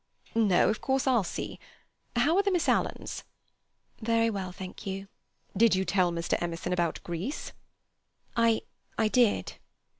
"No—of course, I'll see. How are the Miss Alans?" "Very well, thank you." "Did you tell Mr. Emerson about Greece?" "I—I did."